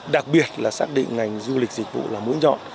đặc biệt là xác định ngành du lịch dịch vụ là mỗi nhọn